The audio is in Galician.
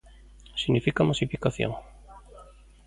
Significa masificación?